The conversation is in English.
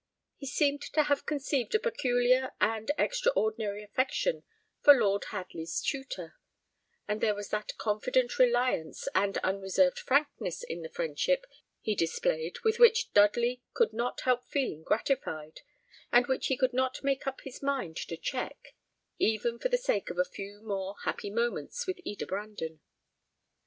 He seemed to have conceived a peculiar and extraordinary affection for Lord Hadley's tutor; and there was that confident reliance and unreserved frankness in the friendship he displayed with which Dudley could not help feeling gratified, and which he could not make up his mind to check, even for the sake of a few more happy moments with Eda Brandon.